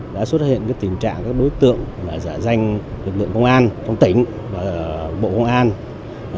đã xuất hiện tình trạng các đối tượng giả danh lực lượng công an trong tỉnh và bộ công an